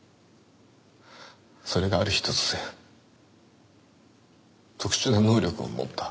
それがある日突然特殊な能力を持った。